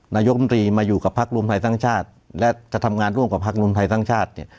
นายกรรมตรีมาอยู่กับพักรวมไทยสร้างชาติและจะทำงานร่วมกับพักรวมไทยสร้างชาติเนี่ย